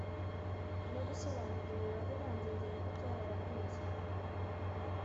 nogusobanura imibare bagendeyeho byarabananiye.